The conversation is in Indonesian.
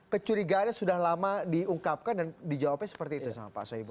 kecurigaannya sudah lama diungkapkan dan dijawabnya seperti itu sama pak soebul